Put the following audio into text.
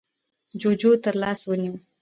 جُوجُو تر لاس ونيو: